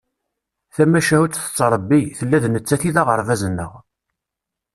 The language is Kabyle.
Tamacahut tettrebbi, tella d nettat i d aɣerbaz-nneɣ.